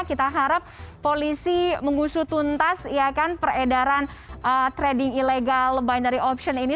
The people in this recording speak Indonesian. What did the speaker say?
kita harap polisi mengusutuntas peredaran trading illegal binary option ini